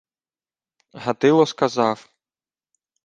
Гатило сказав: